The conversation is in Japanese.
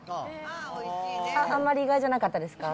あっ、あんまり意外じゃなかったですか？